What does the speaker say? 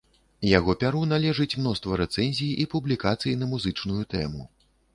Яго пяру належыць мноства рэцэнзій і публікацый на музычную тэму.